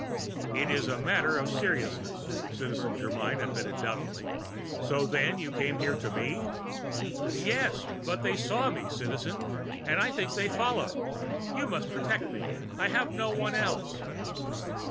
"It is a matter of seriousness," Citizen Germyn admitted doubtfully. "So then you came here to me?" "Yes, but they saw me, Citizen! And I think they followed. You must protect me I have no one else!"